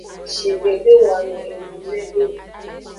Shive de wano enu nyuide o.